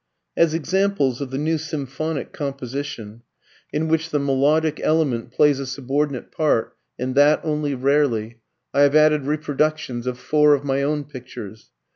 As examples of the new symphonic composition, in which the melodic element plays a subordinate part, and that only rarely, I have added reproductions of four of my own pictures.